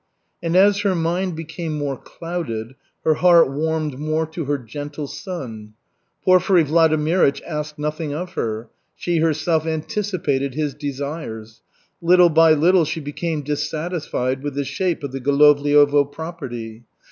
And as her mind became more clouded, her heart warmed more to her gentle son. Porfiry Vladimirych asked nothing of her. She herself anticipated his desires. Little by little she became dissatisfied with the shape of the Golovliovo property.